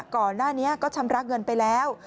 ก่อนหน้านี้ก็ชำระเงินไปแล้ว